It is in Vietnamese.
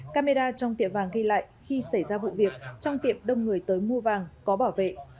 camera trong tiệm vàng ghi lại khi xảy ra vụ việc trong tiệm đông người tới mua vàng có bảo vệ